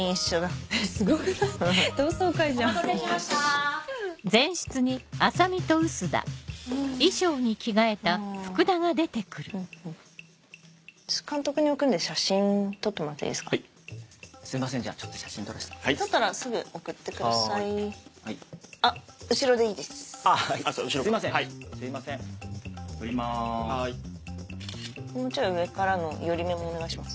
もうちょい上からの寄りめもお願いします。